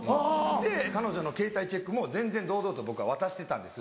で彼女のケータイチェックも全然堂々と僕は渡してたんです。